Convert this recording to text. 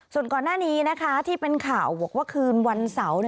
ส่วนก่อนหน้านี้นะคะที่เป็นข่าวบอกว่าคืนวันเสาร์